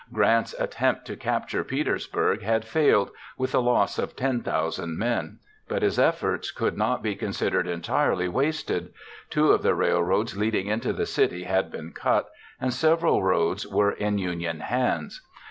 Grant's attempt to capture Petersburg had failed, with a loss of 10,000 men; but his efforts could not be considered entirely wasted. Two of the railroads leading into the city had been cut, and several roads were in Union hands.